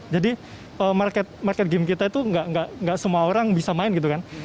jadi market game kita itu nggak semua orang bisa main gitu kan